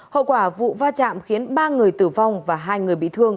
hậu quả vụ va chạm khiến ba người tử vong và hai người bị thương